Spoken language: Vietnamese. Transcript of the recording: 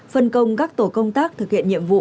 phân công các tổ công tác thực hiện nhiệm vụ